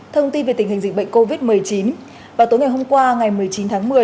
thông tin về tình hình dịch bệnh covid một mươi chín vào tối ngày hôm qua ngày một mươi chín tháng một mươi